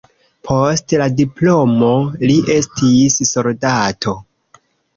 Post la diplomo li estis soldato.